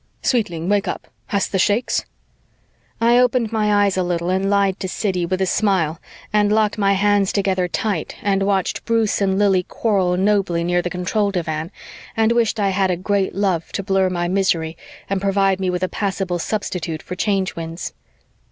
"Sweetling, wake up! Hast the shakes?" I opened my eyes a little and lied to Siddy with a smile and locked my hands together tight and watched Bruce and Lili quarrel nobly near the control divan and wished I had a great love to blur my misery and provide me with a passable substitute for Change Winds.